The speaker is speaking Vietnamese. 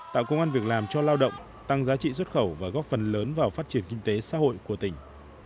tạo công an việc làm cho lao động tăng giá trị xuất khẩu và góp phần lớn vào phát triển kinh tế xã hội của tỉnh